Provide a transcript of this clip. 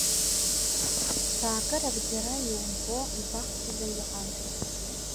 Цәаакырак џьара иумбо, ибахҵәаӡа иҟан.